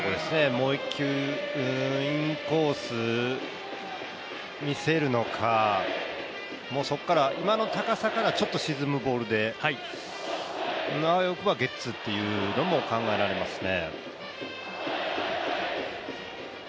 もう一球インコース見せるのか、そこから、今の高さからちょっと沈むボールであわよくばゲッツーというのも考えられますね。